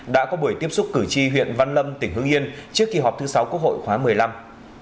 đã có buổi tiếp xúc cử tri huyện văn lâm tỉnh hương yên trước kỳ họp thứ sáu quốc hội khóa một mươi năm